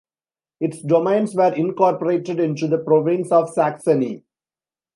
Its domains were incorporated into the Province of Saxony.